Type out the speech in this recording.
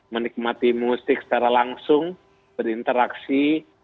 menikmati musik secara langsung berinteraksi